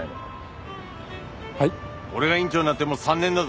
俺が院長になってもう３年だぞ。